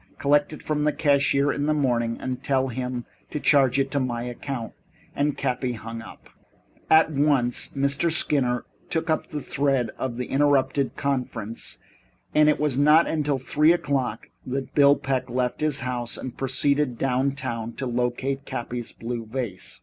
Collect it from the cashier in the morning, and tell him to charge it to my account." And Cappy hung up. At once Mr. Skinner took up the thread of the interrupted conference, and it was not until three o'clock that Bill Peck left his house and proceeded downtown to locate Cappy Rick's blue vase.